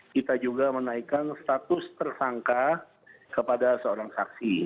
kita juga menaikkan status tersangka kepada seorang saksi